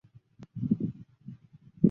其观点受到反中共政府者的欢迎。